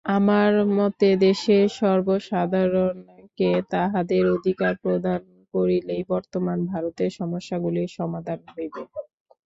আমার মতে দেশের সর্বসাধারণকে তাহাদের অধিকার প্রদান করিলেই বর্তমান ভারতের সমস্যাগুলির সমাধান হইবে।